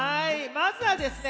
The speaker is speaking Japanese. まずはですね